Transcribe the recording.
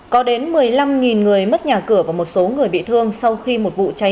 có đến một mươi năm người mất nhà cửa và một số người bị thương sau khi một vụ cháy